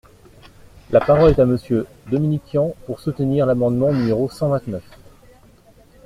La parole est à Monsieur Dominique Tian, pour soutenir l’amendement numéro cent vingt-neuf.